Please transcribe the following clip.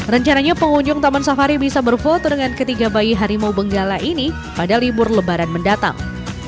rencananya pengunjung taman safari bisa berfoto dengan ketiga bayi harimau benggala ini pada libur lebaran mendatang